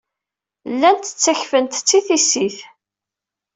Llant ttakfent-tt i tissit.